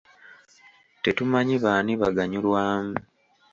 Tetumanyi baani baganyulwamu.